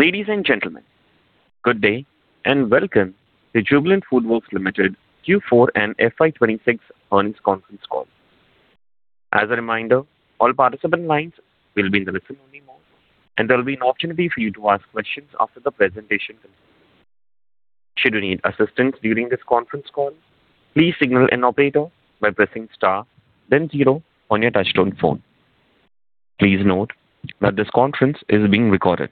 Ladies and gentlemen, good day and welcome to Jubilant FoodWorks Limited Q4 and FY 2026 earnings conference call. As a reminder, all participant lines will be in listen-only mode, and there will be an opportunity for you to ask questions after the presentation. Should you need assistance during this conference call, please signal an operator by pressing star then zero on your touch-tone phone. Please note that this conference is being recorded.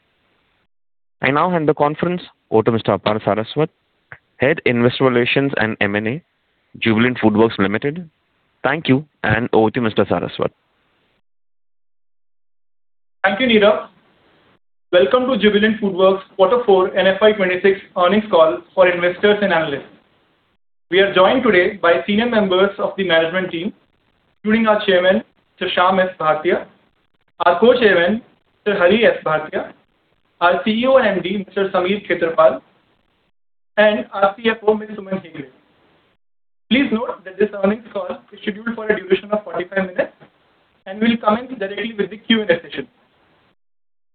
I now hand the conference over to Mr. Apaar Saraswat, Head, Investor Relations and M&A, Jubilant FoodWorks Limited. Thank you, and over to Mr. Saraswat. Thank you, Neeraj. Welcome to Jubilant FoodWorks Quarter Four and FY 2026 earnings call for investors and analysts. We are joined today by senior members of the management team, including our Chairman, Sir Shyam S. Bhartia; our Co-Chairman, Sir Hari S. Bhartia; our CEO and MD, Mr. Sameer Khetarpal; and our CFO, Ms. Suman Hegde. Please note that this earnings call is scheduled for a duration of 45 minutes and will commence directly with the Q&A session.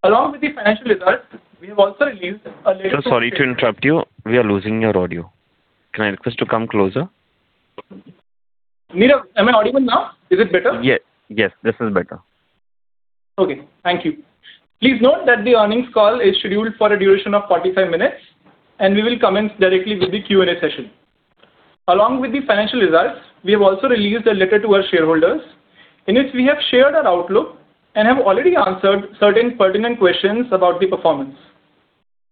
Along with the financial results, we have also released a letter. Sir, sorry to interrupt you. We are losing your audio. Can I request to come closer? Neeraj, am I audible now? Is it better? Yes. Yes, this is better. Okay. Thank you. Please note that the earnings call is scheduled for a duration of 45 minutes, and we will commence directly with the Q&A session. Along with the financial results, we have also released a letter to our shareholders, in which we have shared our outlook and have already answered certain pertinent questions about the performance.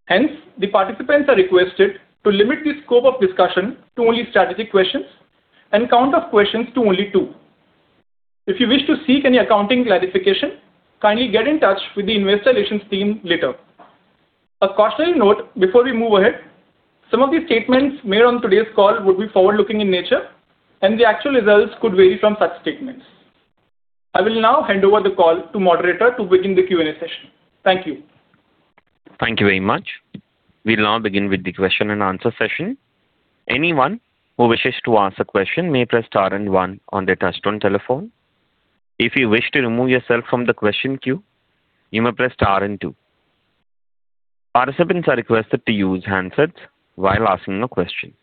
Hence, the participants are requested to limit the scope of discussion to only strategic questions and count of questions to only two. If you wish to seek any accounting clarification, kindly get in touch with the investor relations team later. A cautionary note before we move ahead, some of the statements made on today's call will be forward-looking in nature, and the actual results could vary from such statements. I will now hand over the call to moderator to begin the Q&A session. Thank you. Thank you very much. We'll now begin with the question and answer session. Anyone who wishes to ask a question may press star and one on the touch-tone telephone. If you wish to remove yourself from the question queue, you may press star and two. Participants are requested to use handset while asking your question.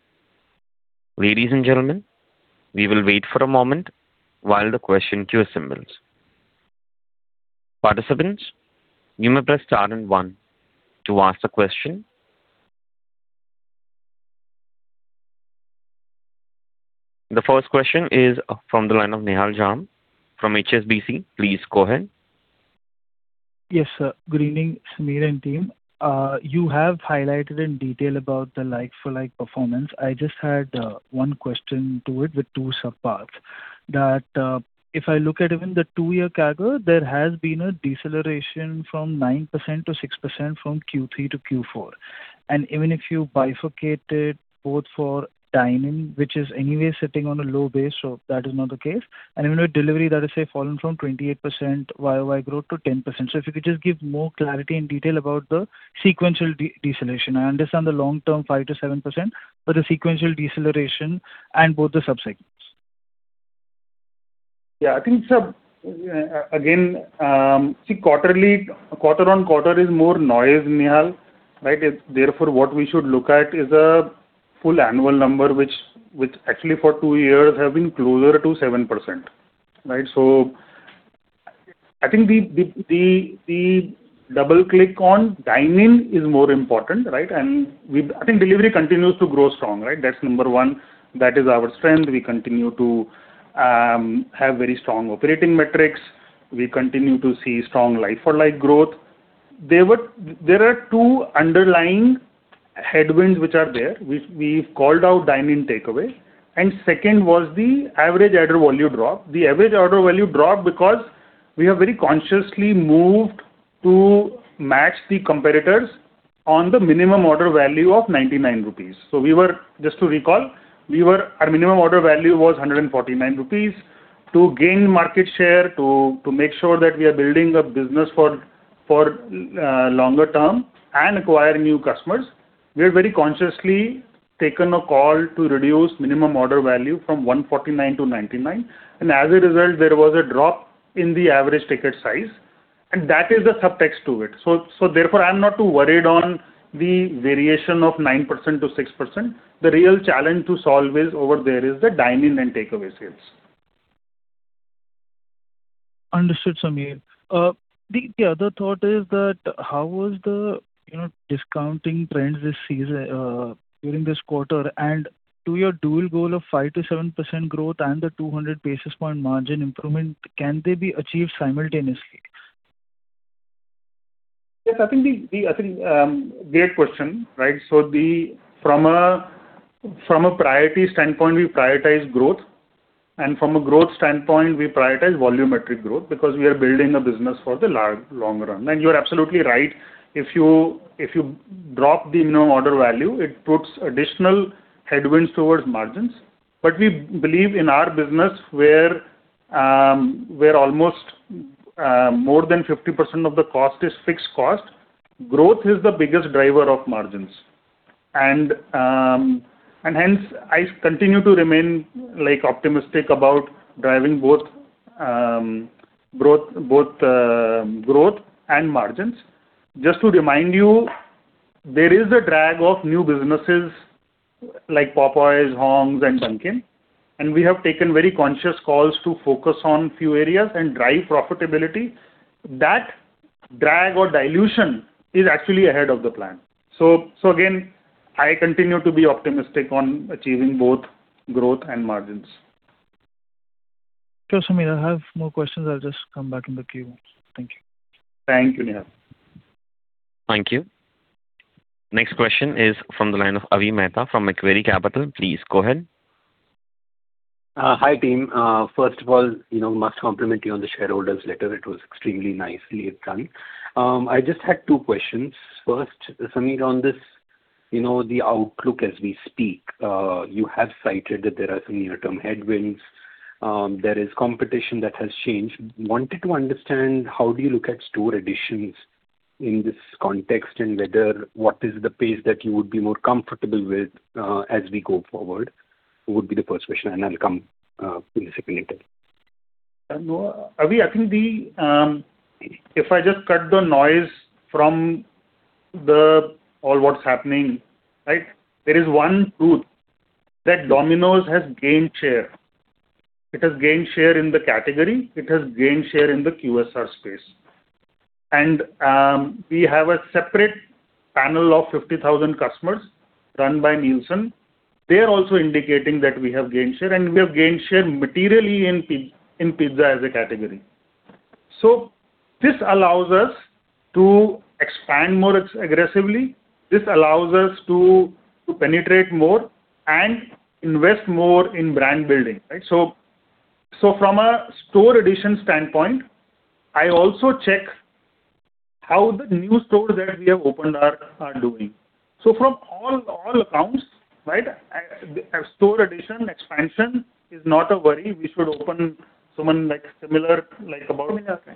Ladies and gentlemen, we will wait for a moment while the question queue submits. Participants, you may press star and one to ask a question. The first question is from the line of Nihal Jham from HSBC. Please go ahead. Yes, sir. Good evening, Sameer and team. You have highlighted in detail about the like-for-like performance. I just had one question to it with two sub-parts that, if I look at even the two-year CAGR, there has been a deceleration from 9% to 6% from Q3 to Q4. Even if you bifurcate it both for dine-in, which is anyway sitting on a low base, so that is not the case. Even with delivery that is, say, fallen from 28% YoY growth to 10%. If you could just give more clarity and detail about the sequential deceleration. I understand the long-term 5%-7%, but the sequential deceleration and both the subsegments. I think, sir, again, see, quarter on quarter is more noise, Nihal, right. It's therefore what we should look at is a full annual number, which actually for two years have been closer to 7%, right. I think the double click on dine-in is more important, right. I think delivery continues to grow strong, right. That's number one. That is our strength. We continue to have very strong operating metrics. We continue to see strong like-for-like growth. There are two underlying headwinds which are there. We've called out dine-in takeaway, and second was the average order value drop. The average order value dropped because we have very consciously moved to match the competitors on the minimum order value of 99 rupees. Just to recall, our minimum order value was 149 rupees. To gain market share, to make sure that we are building a business for longer term and acquire new customers, we have very consciously taken a call to reduce minimum order value from 149 to 99. As a result, there was a drop in the average ticket size, and that is the subtext to it. Therefore, I'm not too worried on the variation of 9% to 6%. The real challenge to solve is over there is the dine-in and takeaway sales. Understood, Sameer. The other thought is that how was the, you know, discounting trends this season, during this quarter? To your dual goal of 5% to 7% growth and the 200 basis point margin improvement, can they be achieved simultaneously? Yes, I think great question, right? From a priority standpoint, we prioritize growth. From a growth standpoint, we prioritize volumetric growth because we are building a business for the long run. You're absolutely right. If you drop the minimum order value, it puts additional headwinds towards margins. We believe in our business where more than 50% of the cost is fixed cost, growth is the biggest driver of margins. Hence I continue to remain, like, optimistic about driving both growth and margins. Just to remind you, there is a drag of new businesses like Popeyes, Hong's and Dunkin', and we have taken very conscious calls to focus on few areas and drive profitability. That drag or dilution is actually ahead of the plan. Again, I continue to be optimistic on achieving both growth and margins. Sure, Sameer. I have more questions. I'll just come back in the queue. Thank you. Thank you, Nihal. Thank you. Next question is from the line of Avi Mehta from Macquarie Capital. Please go ahead. Hi, team. First of all, you know, must compliment you on the shareholders letter. It was extremely nicely done. I just had two questions. First, Sameer, on this, you know, the outlook as we speak, you have cited that there are some near-term headwinds. There is competition that has changed. Wanted to understand how do you look at store additions in this context, and whether what is the pace that you would be more comfortable with, as we go forward? Would be the first question, and I'll come to the second later. No, Avi, I think the, if I just cut the noise from the all what's happening, right, there is one truth, that Domino's has gained share. It has gained share in the category, it has gained share in the QSR space. We have a separate panel of 50,000 customers run by Nielsen. They are also indicating that we have gained share, and we have gained share materially in pizza as a category. This allows us to expand more aggressively. This allows us to penetrate more and invest more in brand building, right? From a store addition standpoint, I also check how the new stores that we have opened are doing. From all accounts, right, the store addition expansion is not a worry. We should open someone like similar, like about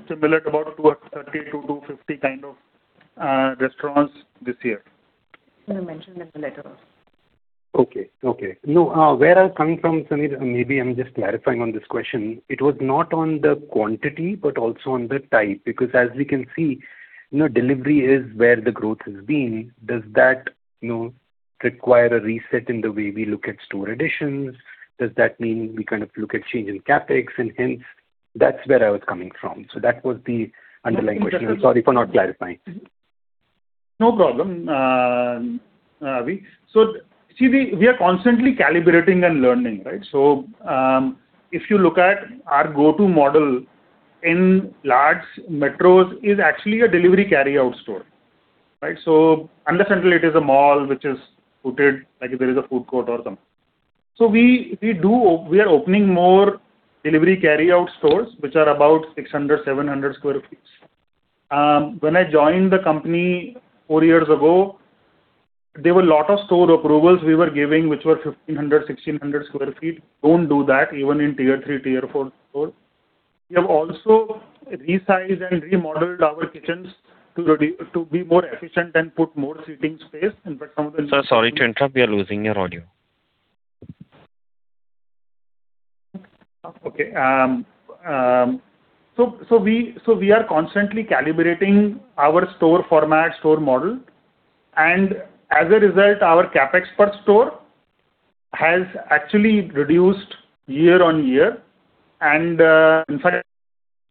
similar to about 230 to 250 kind of restaurants this year. You mentioned in the letter. Okay. Okay. No, where I've come from, Sameer, maybe I'm just clarifying on this question. It was not on the quantity, but also on the type. As we can see, you know, delivery is where the growth has been. Does that, you know, require a reset in the way we look at store additions? Does that mean we kind of look at change in CapEx? Hence that's where I was coming from. That was the underlying question. I'm sorry for not clarifying. No problem, Avi. See, we are constantly calibrating and learning, right? If you look at our go-to model in large metros is actually a delivery carryout store, right? Unless and until it is a mall which is suited, like if there is a food court or something. We are opening more delivery carryout stores, which are about 600, 700 sq ft. When I joined the company four years ago, there were lot of store approvals we were giving, which were 1,500, 1,600 sq ft. Don't do that even in Tier 3, Tier 4 store. We have also resized and remodeled our kitchens to be more efficient and put more seating space. Sir, sorry to interrupt. We are losing your audio. We are constantly calibrating our store format, store model, and as a result, our CapEx per store has actually reduced year-on-year and, in fact,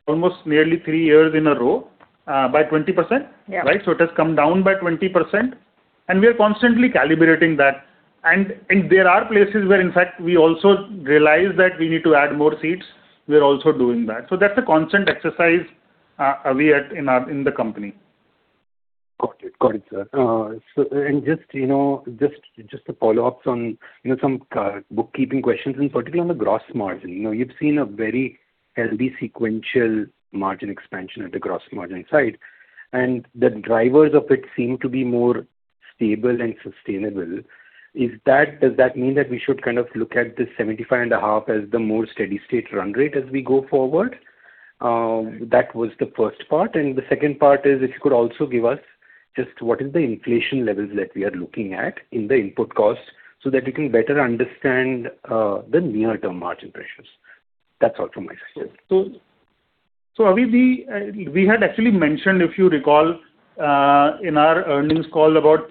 almost nearly three years in a row, by 20%. Yeah. Right? It has come down by 20%. We are constantly calibrating that. There are places where in fact we also realize that we need to add more seats. We are also doing that. That's a constant exercise, Avi at, in our, in the company. Got it. Got it, sir. Just, you know, to follow up on, you know, some bookkeeping questions and particularly on the gross margin. You know, you've seen a very healthy sequential margin expansion at the gross margin side, and the drivers of it seem to be more stable and sustainable. Does that mean that we should kind of look at this 75.5 as the more steady state run rate as we go forward? That was the first part. The second part is if you could also give us just what is the inflation levels that we are looking at in the input costs so that we can better understand the near-term margin pressures. That's all from my side. Avi, we had actually mentioned, if you recall, in our earnings call about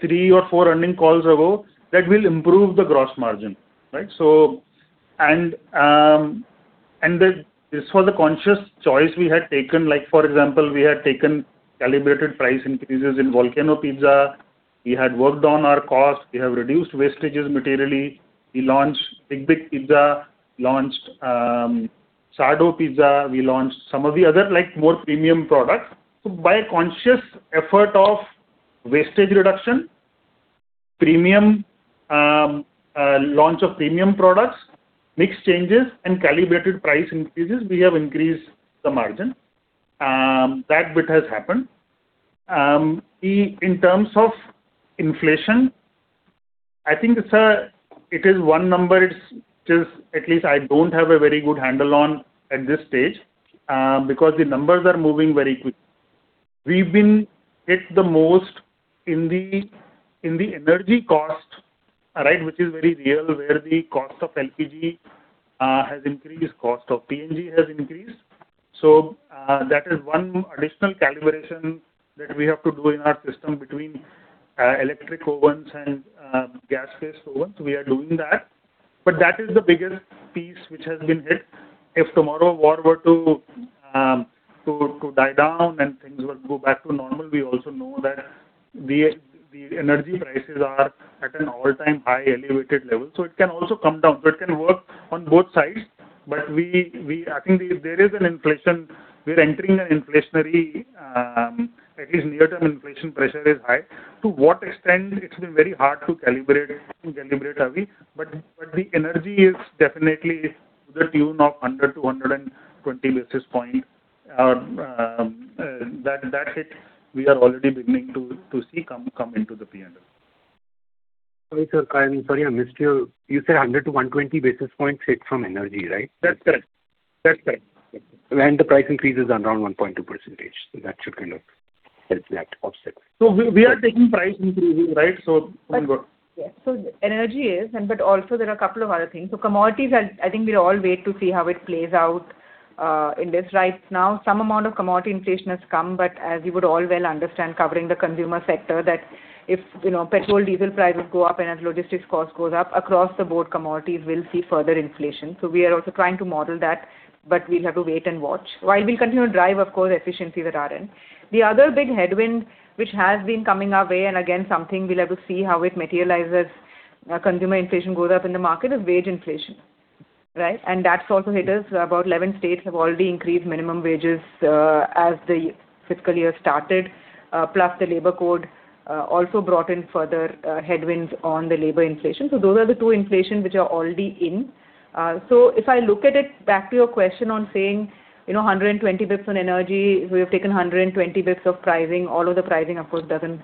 three or four earning calls ago that we'll improve the gross margin, right. This was a conscious choice we had taken. For example, we had taken calibrated price increases in Volcano Pizza. We had worked on our cost. We have reduced wastages materially. We launched Big Pizza, launched Sourdough Pizza. We launched some of the other more premium products. By a conscious effort of wastage reduction, premium launch of premium products, mix changes and calibrated price increases, we have increased the margin. That bit has happened. In terms of inflation. I think, sir, it is one number it is at least I don't have a very good handle on at this stage because the numbers are moving very quickly. We've been hit the most in the energy cost, all right, which is very real, where the cost of LPG has increased, cost of PNG has increased. That is one additional calibration that we have to do in our system between electric ovens and gas-based ovens. We are doing that. That is the biggest piece which has been hit. If tomorrow war were to die down and things would go back to normal, we also know that the energy prices are at an all-time high elevated level, so it can also come down. It can work on both sides. I think there is an inflation. We're entering an inflationary, at least near-term inflation pressure is high. To what extent, it's been very hard to calibrate, Avi. The energy is definitely to the tune of 100-120 basis point. That's it. We are already beginning to see come into the P&L. Sorry, sir. I'm sorry, I missed you. You said 100-120 basis points hit from energy, right? That's correct. That's correct. The price increase is around 1.2%. That should kind of help that offset. We are taking price increasing, right? Yes. Energy is, but also there are a couple of other things. Commodities, I think we all wait to see how it plays out in this right now. Some amount of commodity inflation has come, but as you would all well understand, covering the consumer sector, that if, you know, petrol, diesel prices go up and as logistics cost goes up, across the board commodities will see further inflation. We are also trying to model that, but we'll have to wait and watch. While we continue to drive, of course, efficiency with RN. The other big headwind which has been coming our way, and again, something we'll have to see how it materializes as consumer inflation goes up in the market, is wage inflation. Right? That's also hit us. About 11 states have already increased minimum wages as the fiscal year started. Plus the labor code also brought in further headwinds on the labor inflation. Those are the two inflation which are already in. If I look at it, back to your question on saying, you know, 120 BPS on energy, we have taken 120 BPS of pricing. All of the pricing, of course, doesn't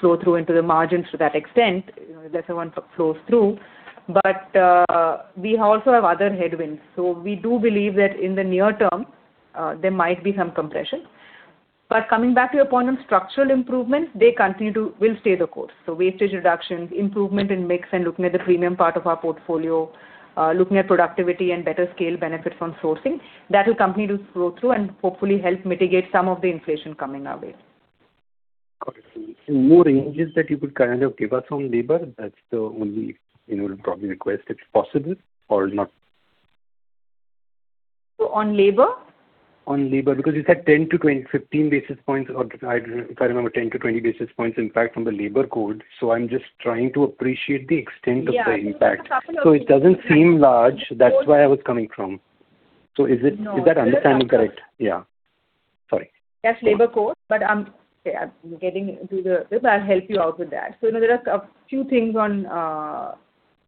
flow through into the margins to that extent. You know, lesser one flows through. We also have other headwinds. We do believe that in the near term, there might be some compression. Coming back to your point on structural improvements, they continue to will stay the course. Wastage reductions, improvement in mix and looking at the premium part of our portfolio, looking at productivity and better scale benefits on sourcing, that will continue to flow through and hopefully help mitigate some of the inflation coming our way. Got it. Any more ranges that you could kind of give us on labor? That's the only, you know, probably request if possible or not. On labor? On labor, you said 10-20, 15 basis points or if I remember, 10-20 basis points impact from the labor code. I'm just trying to appreciate the extent of the impact. Yeah. It doesn't seem large. That's where I was coming from. No. Is that understanding correct? Yeah. Sorry. That's labor code. I'll help you out with that. You know, there are a few things on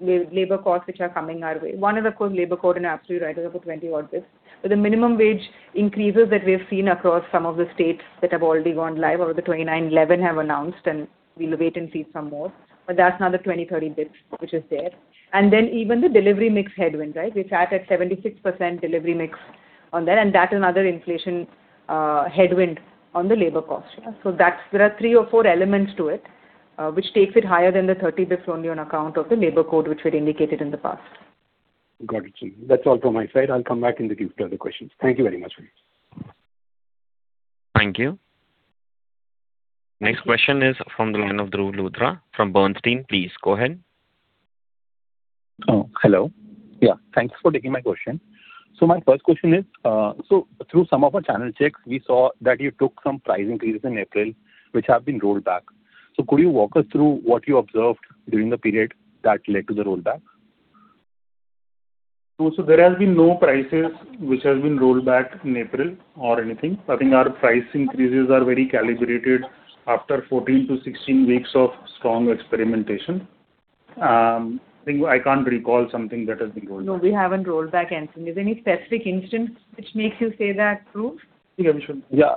labor costs which are coming our way. One is, of course, labor code and absolutely right, it is up to 20-odd BPS. The minimum wage increases that we've seen across some of the states that have already gone live out of the 29, 11 have announced, and we'll wait and see some more. That's another 20, 30 BPS which is there. Even the delivery mix headwind, right? We sat at 76% delivery mix on that, and that's another inflation headwind on the labor cost. There are three or four elements to it which takes it higher than the 30 BPS only on account of the labor code which we had indicated in the past. Got it. That's all from my side. I'll come back in the queue if there are other questions. Thank you very much. Thank you. Next question is from the line of Dhruv Luthra from Bernstein. Please go ahead. Oh, hello. Yeah, thanks for taking my question. My first question is, through some of our channel checks, we saw that you took some price increases in April, which have been rolled back. Could you walk us through what you observed during the period that led to the rollback? There has been no prices which has been rolled back in April or anything. I think our price increases are very calibrated after 14 to 16 weeks of strong experimentation. I think I can't recall something that has been rolled back. No, we haven't rolled back anything. Is there any specific instance which makes you say that, Dhruv? Yeah, we should. Yeah.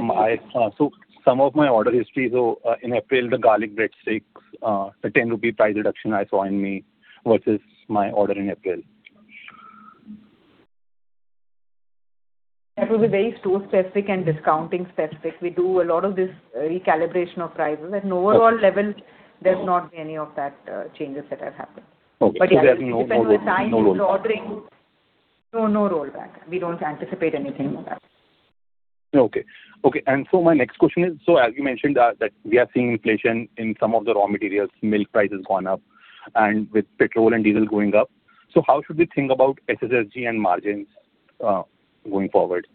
My, so some of my order history, so, in April, the garlic breadsticks, a 10 rupee price reduction I saw in May versus my order in April. That will be very store-specific and discounting specific. We do a lot of this recalibration of prices. At an overall level, there's not any of that changes that have happened. Okay. There is no rollback. Yeah, it depends on the time you're ordering. No, no rollback. We don't anticipate anything like that. Okay. Okay. My next question is, as you mentioned, that we are seeing inflation in some of the raw materials, milk price has gone up, and with petrol and diesel going up. How should we think about SSSG and margins, going forward?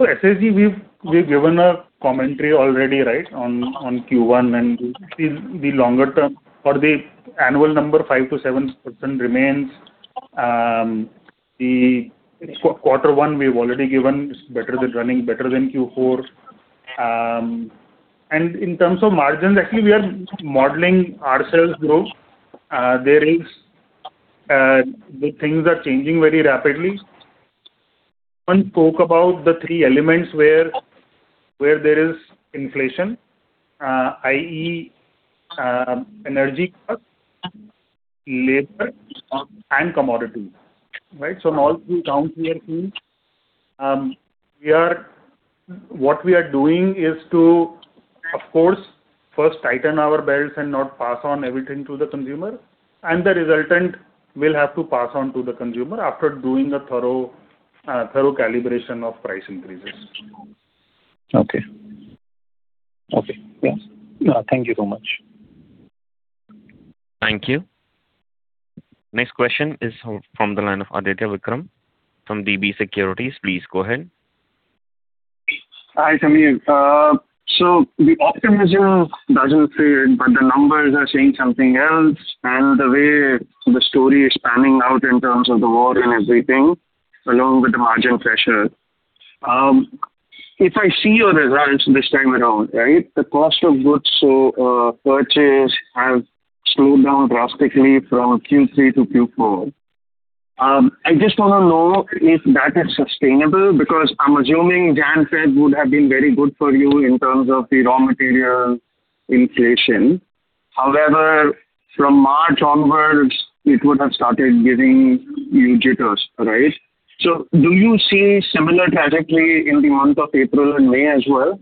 SSSG, we've given a commentary already, right, on Q1 and the longer term. For the annual number, 5% to 7% remains. The quarter one we've already given is better than running, better than Q4. And in terms of margins, actually we are modeling ourselves growth. There is, the things are changing very rapidly. One spoke about the three elements where there is inflation, i.e., energy cost, labor, and commodity, right? In all three counts we are seeing, what we are doing is to, of course, first tighten our belts and not pass on everything to the consumer, and the resultant we'll have to pass on to the consumer after doing a thorough calibration of price increases. Okay. Okay. Yes. Thank you so much. Thank you. Next question is from the line of Aditya Vikram from DB Securities. Please go ahead. Hi, Sameer. The optimism doesn't fade, the numbers are saying something else and the way the story is panning out in terms of the war and everything, along with the margin pressure. If I see your results this time around, right, the cost of goods, purchase have slowed down drastically from Q3 to Q4. I just wanna know if that is sustainable because I'm assuming January, February would have been very good for you in terms of the raw material inflation. However, from March onwards it would have started giving you jitters, right? Do you see similar trajectory in the month of April and May as well?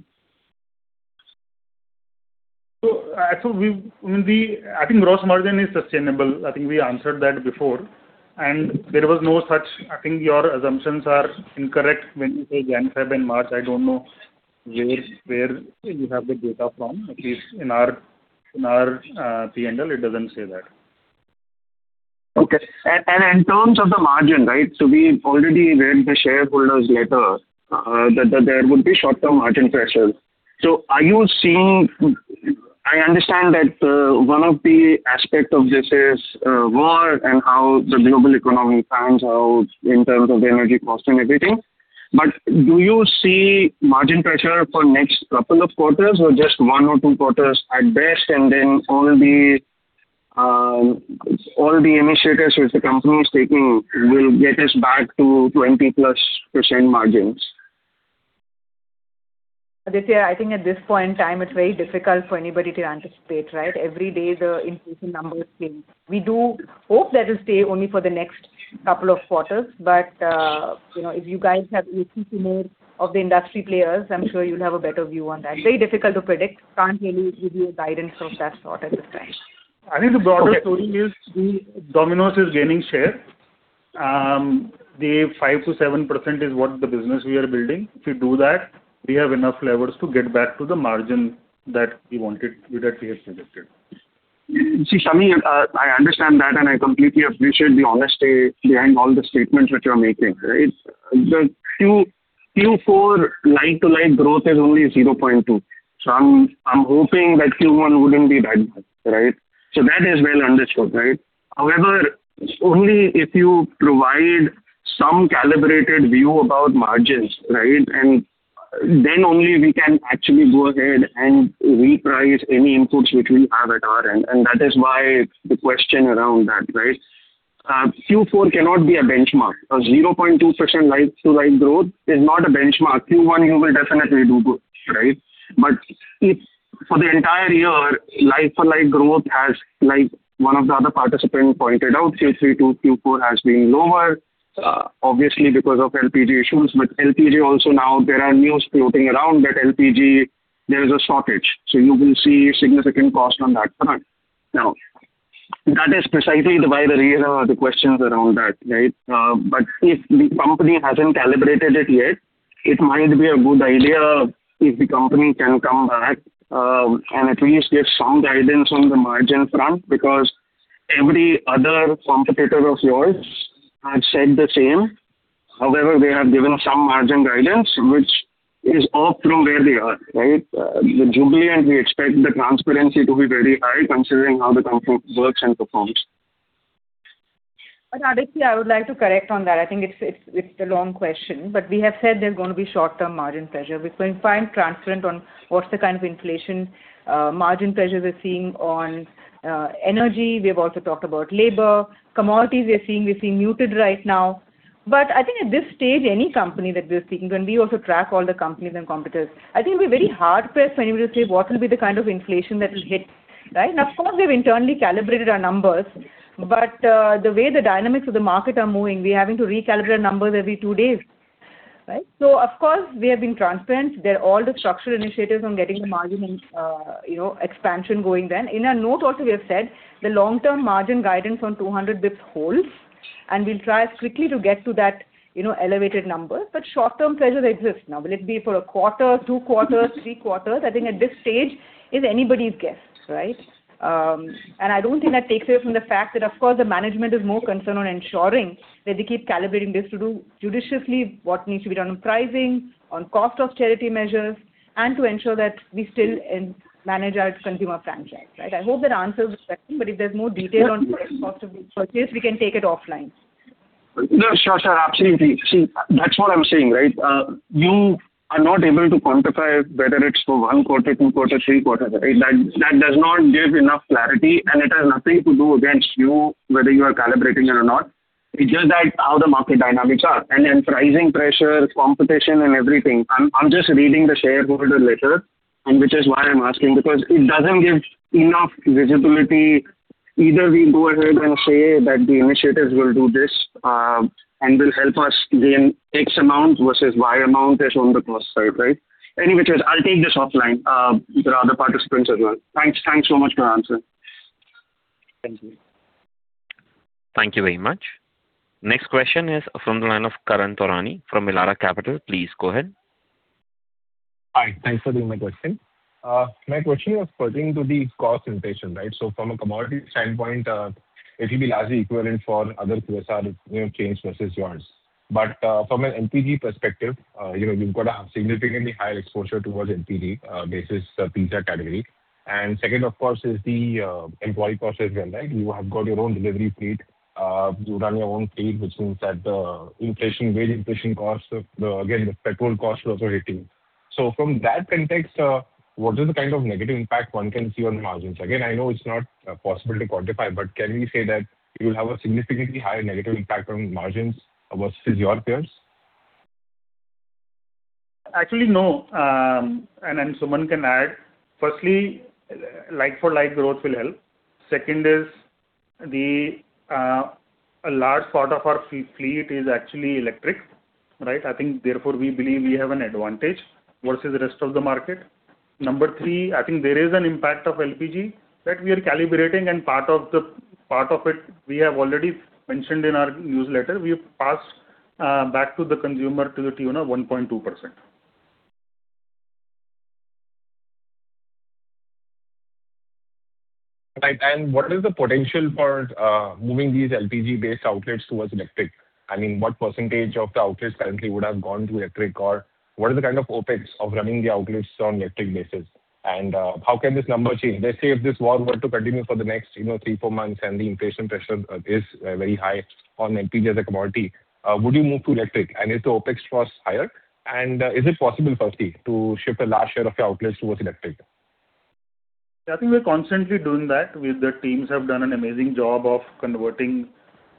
I thought we I mean, the I think gross margin is sustainable. I think we answered that before. There was no such I think your assumptions are incorrect when you say January, February, and March. I don't know where you have the data from. At least in our P&L it doesn't say that. Okay. In terms of the margin, right? We already read the shareholders letter that there would be short-term margin pressure. Are you seeing I understand that one of the aspect of this is war and how the global economy pans out in terms of the energy cost and everything. Do you see margin pressure for next couple of quarters or just one or two quarters at best and then all the initiatives which the company is taking will get us back to 20%+ margins? Aditya, I think at this point in time it's very difficult for anybody to anticipate, right? Every day the inflation numbers change. We do hope that it'll stay only for the next couple of quarters. You know, if you guys have ear to more of the industry players, I'm sure you'll have a better view on that. Very difficult to predict. Can't really give you a guidance of that sort at this time. I think the broader story is the Domino's is gaining share. The 5%-7% is what the business we are building. If we do that, we have enough levers to get back to the margin that we wanted, that we had predicted. See, Sameer, I understand that and I completely appreciate the honesty behind all the statements which you are making, right? The Q4 like-to-like growth is only 0.2%. I'm hoping that Q1 wouldn't be that much, right? That is well understood, right? However, only if you provide some calibrated view about margins, right? Only we can actually go ahead and reprice any inputs which we have at our end, and that is why the question around that, right? Q4 cannot be a benchmark. A 0.2% like-to-like growth is not a benchmark. Q1 you will definitely do good, right? If for the entire year like-for-like growth has, like one of the other participant pointed out, Q3 to Q4 has been lower, obviously because of LPG issues. LPG also now there are news floating around that LPG there is a shortage, so you will see significant cost on that front. That is precisely the why the reason of the questions around that, right? If the company hasn't calibrated it yet it might be a good idea if the company can come back and at least give some guidance on the margin front because every other competitor of yours have said the same. They have given some margin guidance which is off from where they are, right? With Jubilant we expect the transparency to be very high considering how the company works and performs. Aditya, I would like to correct on that. I think it's a long question, but we have said there's gonna be short-term margin pressure. We've been quite transparent on what's the kind of inflation, margin pressures we're seeing on energy. We have also talked about labor. Commodities we're seeing muted right now. I think at this stage any company that we are speaking, and we also track all the companies and competitors, I think it'll be very hard-pressed for anybody to say what will be the kind of inflation that will hit, right? Of course we've internally calibrated our numbers, but the way the dynamics of the market are moving we're having to recalibrate our numbers every two days, right? Of course we have been transparent. There are all the structural initiatives on getting the margin, you know, expansion going then. In our note also we have said the long-term margin guidance on 200 BPS holds and we'll try as quickly to get to that, you know, elevated number. Short-term pressures exist now. Will it be for a quarter, two quarters, three quarters? I think at this stage is anybody's guess, right? I don't think that takes away from the fact that of course the management is more concerned on ensuring that they keep calibrating this to do judiciously what needs to be done on pricing, on cost austerity measures, and to ensure that we still manage our consumer franchise, right? I hope that answers the question, if there's more detail on cost of goods purchased we can take it offline. No. Sure, sure. Absolutely. See, that's what I'm saying, right? You are not able to quantify whether it's for one quarter, two quarters, three quarters, right? That does not give enough clarity and it has nothing to do against you whether you are calibrating it or not. It's just that how the market dynamics are and then pricing pressure, competition, and everything. I'm just reading the shareholder letter, and which is why I'm asking because it doesn't give enough visibility. Either we go ahead and say that the initiatives will do this, and will help us gain X amount versus Y amount is on the cost side, right? Any which ways, I'll take this offline with the other participants as well. Thanks so much for answering. Thank you. Thank you very much. Next question is from the line of Karan Taurani from Elara Capital. Please go ahead. Hi. Thanks for taking my question. My question was pertaining to the cost inflation, right? From a commodity standpoint, it will be largely equivalent for other QSR, you know, chains versus yours. From an LPG perspective, you know, you've got a significantly higher exposure towards LPG, basis the pizza category. Second, of course, is the employee cost as well, right? You have got your own delivery fleet. You run your own fleet, which means that inflation, wage inflation costs, the, again, the petrol cost is also hitting. From that context, what is the kind of negative impact one can see on margins? Again, I know it's not possible to quantify, but can we say that you will have a significantly higher negative impact on margins versus your peers? Actually, no. Suman can add. Firstly, like for like growth will help. Second is a large part of our fleet is actually electric, right? I think therefore we believe we have an advantage versus the rest of the market. Number three, I think there is an impact of LPG that we are calibrating. Part of it we have already mentioned in our newsletter. We've passed back to the consumer to the tune of 1.2%. Right. What is the potential for moving these LPG-based outlets towards electric? I mean, what percentage of the outlets currently would have gone to electric, or what is the kind of OpEx of running the outlets on electric basis? How can this number change? Let's say if this war were to continue for the next, you know, three, four months, and the inflation pressure is very high on LPG as a commodity, would you move to electric? If the OpEx was higher, and is it possible firstly to shift a large share of your outlets towards electric? Yeah, I think we're constantly doing that with the teams have done an amazing job of converting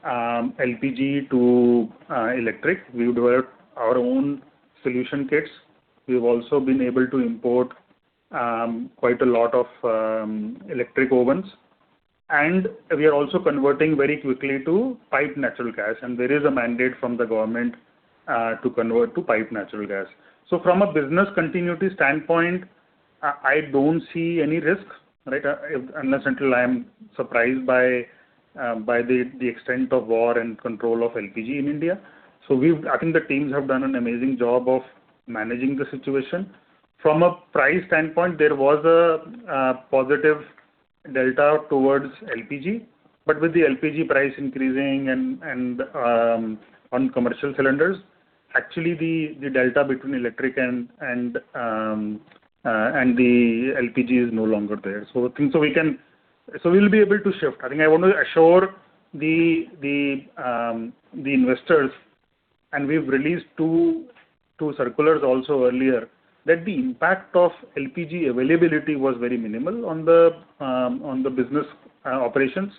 LPG to electric. We've developed our own solution kits. We've also been able to import quite a lot of electric ovens. We are also converting very quickly to piped natural gas, and there is a mandate from the government to convert to piped natural gas. From a business continuity standpoint, I don't see any risks, right? Unless until I am surprised by the extent of war and control of LPG in India. I think the teams have done an amazing job of managing the situation. From a price standpoint, there was a positive delta towards LPG. With the LPG price increasing, on commercial cylinders, actually the delta between electric and the LPG is no longer there. I think we'll be able to shift. I think I want to assure the investors, and we've released two circulars also earlier, that the impact of LPG availability was very minimal on the business operations.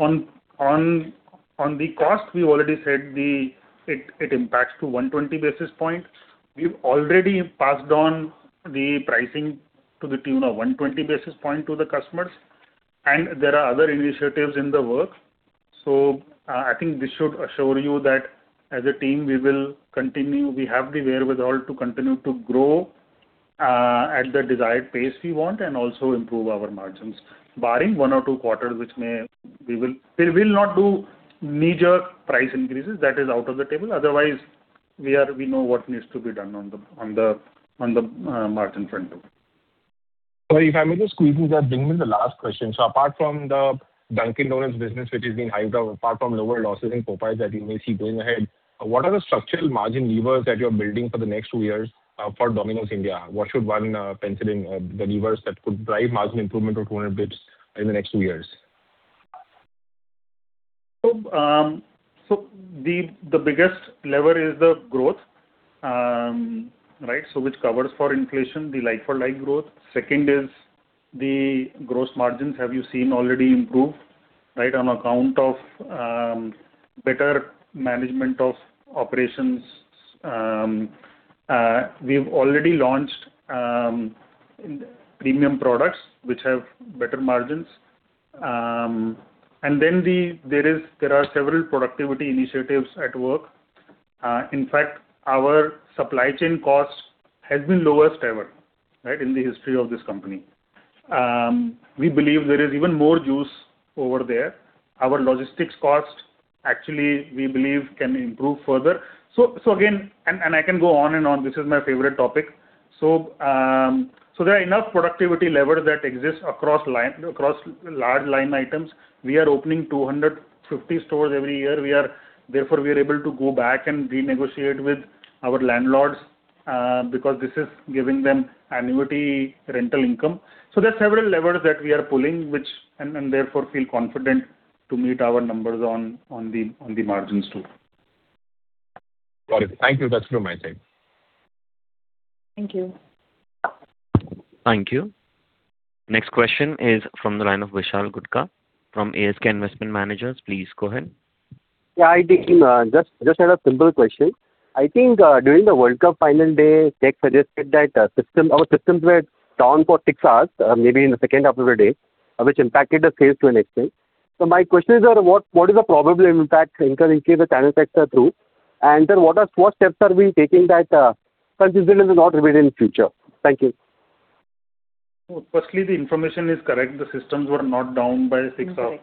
On the cost, we already said it impacts to 120 basis points. We've already passed on the pricing to the tune of 120 basis point to the customers. There are other initiatives in the works. I think this should assure you that as a team, we will continue. We have the wherewithal to continue to grow at the desired pace we want and also improve our margins, barring one or two quarters, which may. We will not do major price increases. That is out of the table. Otherwise, we know what needs to be done on the margin front too. Sorry, if I may just squeeze in that being the last question. Apart from the Dunkin' Donuts business, which is being hyped up, apart from lower losses in Popeyes that we may see going ahead, what are the structural margin levers that you're building for the next two years for Domino's India? What should one pencil in the levers that could drive margin improvement of 200 BPS in the next two years? The biggest lever is the growth. Right? Which covers for inflation, the like-for-like growth. Second is the gross margins have you seen already improve, right? On account of better management of operations. We've already launched premium products which have better margins. And then there are several productivity initiatives at work. In fact, our supply chain cost has been lowest ever, right? In the history of this company. We believe there is even more juice over there. Our logistics cost actually we believe can improve further. I can go on and on. This is my favorite topic. There are enough productivity levers that exist across line, across large line items. We are opening 250 stores every year. Therefore, we are able to go back and renegotiate with our landlords because this is giving them annuity rental income. There are several levers that we are pulling, which therefore feel confident to meet our numbers on the margins too. Got it. Thank you. That's through my side. Thank you. Thank you. Next question is from the line of Vishal Gutka from ASK Investment Managers. Please go ahead. Yeah, I think, just had a simple question. I think, during the World Cup final day, tech suggested that our systems were down for six hours, maybe in the second half of the day, which impacted the sales to an extent. My question is that what is the probable impact in case the channel checks are true? What steps are we taking that such incident will not repeat in future? Thank you. No, firstly, the information is correct. The systems were not down by six hours.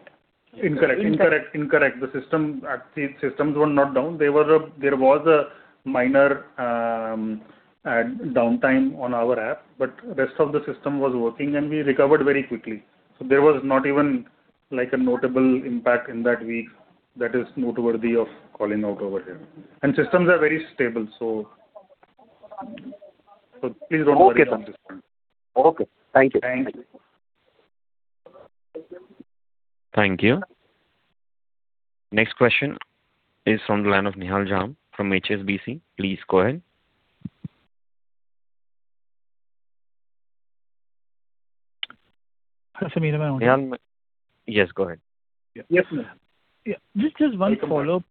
Incorrect. Incorrect. Incorrect. Incorrect. The systems were not down. They were. There was a minor downtime on our app, but rest of the system was working and we recovered very quickly. There was not even, like, a notable impact in that week that is noteworthy of calling out over here. Systems are very stable. Please don't worry about this one. Okay. Thank you. Thanks. Thank you. Next question is from the line of Nihal Jham from HSBC. Please go ahead. Hi, Sameer. Am I audible? Nihal? Yes, go ahead. Yes. Yeah. Just one follow-up.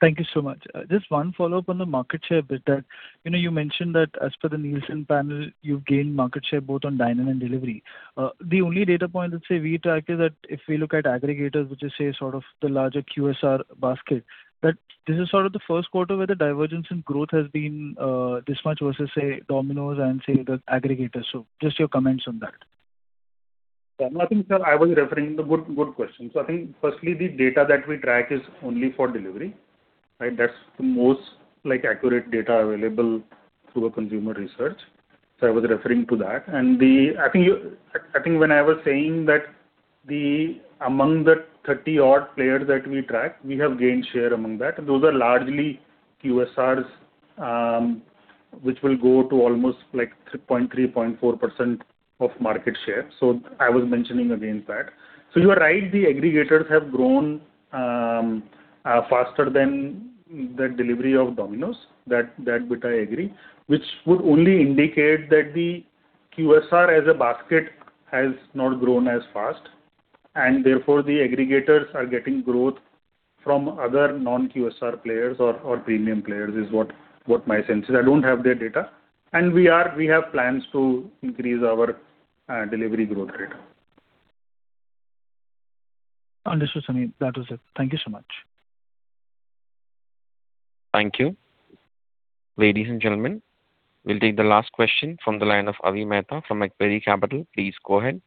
Thank you so much. Just one follow-up on the market share bit that, you know, you mentioned that as per the Nielsen panel, you've gained market share both on dine-in and delivery. The only data point that, say, we track is that if we look at aggregators, which is, say, sort of the larger QSR basket, that this is sort of the first quarter where the divergence in growth has been this much versus, say, Domino's and, say, the aggregators. Just your comments on that. Good, good question. I think firstly the data that we track is only for delivery, right? That's the most, like, accurate data available through a consumer research. I was referring to that. I think when I was saying that among the 30 odd players that we track, we have gained share among that. Those are largely QSRs, which will go to almost like 3.3%-3.4% of market share. I was mentioning against that. You are right, the aggregators have grown faster than the delivery of Domino's. That bit I agree. Which would only indicate that the QSR as a basket has not grown as fast, and therefore the aggregators are getting growth from other non-QSR players or premium players is what my sense is. I don't have their data. We have plans to increase our delivery growth rate. Understood, Sameer. That was it. Thank you so much. Thank you. Ladies and gentlemen, we'll take the last question from the line of Avi Mehta from Macquarie Capital. Please go ahead.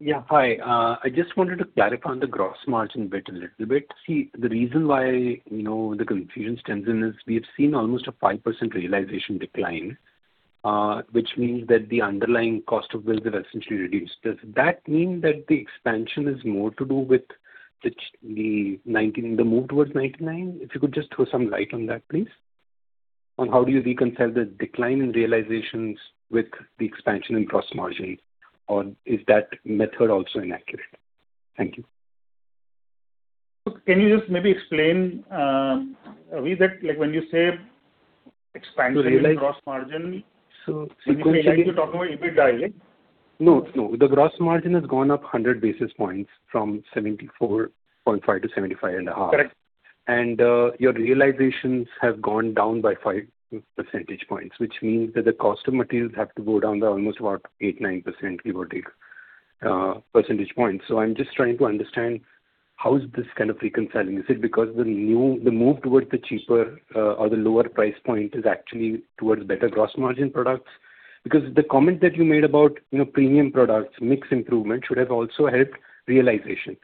Yeah. Hi. I just wanted to clarify on the gross margin bit a little bit. The reason why, you know, the confusion stems in is we have seen almost a 5% realization decline, which means that the underlying cost of goods have essentially reduced. Does that mean that the expansion is more to do with the move towards 99%? If you could just throw some light on that, please. How do you reconcile the decline in realizations with the expansion in gross margin? Is that method also inaccurate? Thank you. Look, can you just maybe explain, Avi, that, like, when you say expansion in gross margin? realization- You mean, like, you're talking about EBITDA, right? No, no. The gross margin has gone up 100 basis points from 74.5% to 75.5%. Correct. Your realizations have gone down by 5 percentage points, which means that the cost of materials have to go down by almost about 8%, 9%, give or take, percentage points. I'm just trying to understand how is this kind of reconciling. Is it because the move towards the cheaper, or the lower price point is actually towards better gross margin products? The comment that you made about, you know, premium products, mix improvement should have also helped realizations.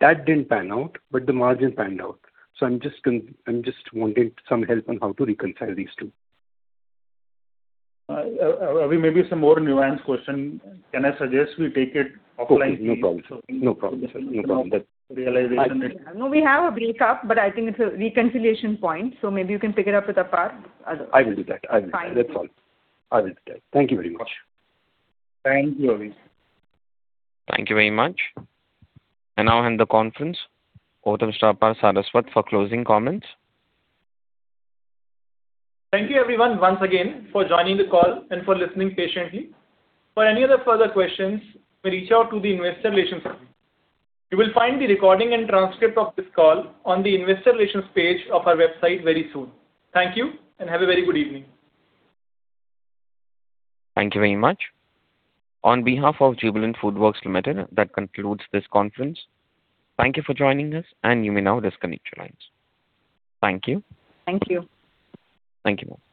That didn't pan out, but the margin panned out. I'm just wanting some help on how to reconcile these two. Avi, maybe it's a more nuanced question. Can I suggest we take it offline please? Okay. No problem. No problem, sir. No problem. Realization- No, we have a break up, but I think it's a reconciliation point, so maybe you can pick it up with Apaar. I will do that. I will do that. Fine. That is all. I will do that. Thank you very much. Thank you, Avi. Thank you very much. I now hand the conference over to Mr. Apaar Saraswat for closing comments. Thank you everyone once again for joining the call and for listening patiently. For any other further questions, reach out to the investor relations team. You will find the recording and transcript of this call on the investor relations page of our website very soon. Thank you, and have a very good evening. Thank you very much. On behalf of Jubilant FoodWorks Limited, that concludes this conference. Thank you for joining us, and you may now disconnect your lines. Thank you. Thank you. Thank you.